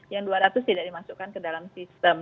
yang dua ratus tidak dimasukkan ke dalam sistem